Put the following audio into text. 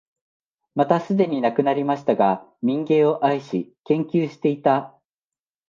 またすでに亡くなりましたが、民藝を愛し、研究していた、